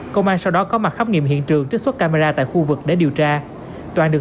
công an sau đó có mặt khắp nghiệm hiện trường trích xuất camera tại khu vực để điều tra toàn được